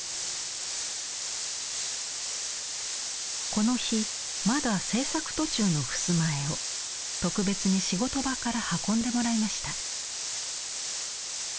この日まだ制作途中のふすま絵を特別に仕事場から運んでもらいました。